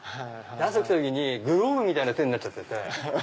朝起きた時にグローブみたいな手になっちゃってて。